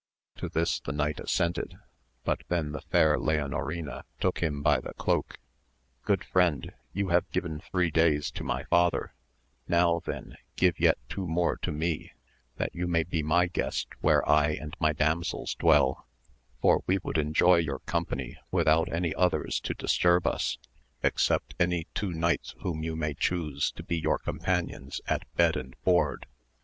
To this the knight assented, but then the fair Leonorina took him 300 AMADIS OF GAUL. by the cloak — Good friend, you have given three days to my father, now then give yet two more to me, that you may be my guest where I and my damsels dwell, for we would enjoy your company without any others to disturb us, except any two knights whom you may chuse to be your companions at bed and board